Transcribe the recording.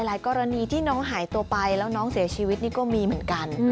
กรณีที่น้องหายตัวไปแล้วน้องเสียชีวิตนี่ก็มีเหมือนกัน